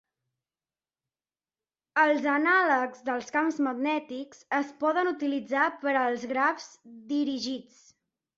Els anàlegs dels camps magnètics es poden utilitzar per als grafs dirigits.